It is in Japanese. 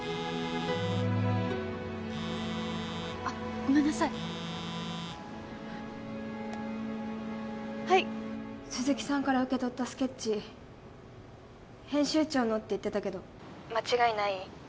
あっごめんなさいはい鈴木さんから受け取ったスケッチ編集長のって言ってたけど間違いない？